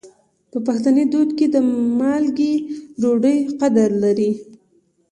په پښتني دود کې د مالګې ډوډۍ قدر لري.